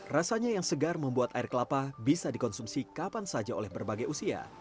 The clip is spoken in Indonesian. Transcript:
rasanya yang segar membuat air kelapa bisa dikonsumsi kapan saja oleh berbagai usia